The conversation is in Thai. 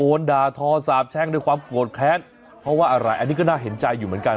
ด่าทอสาบแช่งด้วยความโกรธแค้นเพราะว่าอะไรอันนี้ก็น่าเห็นใจอยู่เหมือนกัน